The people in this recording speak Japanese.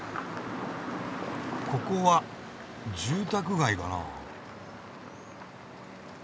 ここは住宅街かな。